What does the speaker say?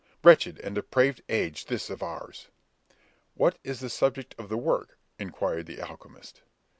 Wretched and depraved age this of ours!" "What is the subject of the work?" inquired the alchemist.